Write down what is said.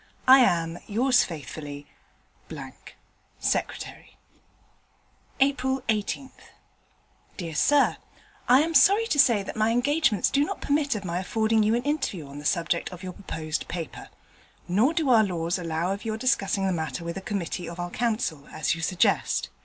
I am, Yours faithfully, Secretary. April 18th Dear Sir, I am sorry to say that my engagements do not permit of my affording you an interview on the subject of your proposed paper. Nor do our laws allow of your discussing the matter with a Committee of our Council, as you suggest.